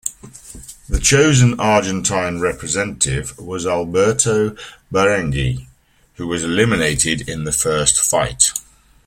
The chosen Argentine representative was Alberto Barenghi, who was eliminated in the first fight.